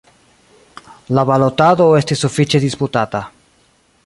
La balotado estis sufiĉe disputata.